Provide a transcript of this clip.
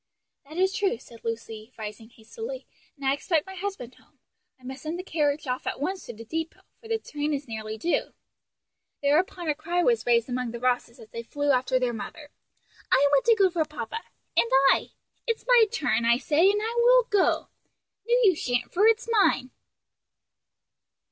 "That is true," said Lucy, rising hastily, "and I expect my husband home. I must send the carriage off at once to the depot; for the train is nearly due." Thereupon a cry was raised among the Rosses as they flew after their mother, "I want to go for papa!" "and I!" "It's my turn, I say, and I will go!" "No, you shan't, for it's mine."